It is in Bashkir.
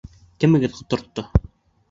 Кемегеҙ ҡотортто?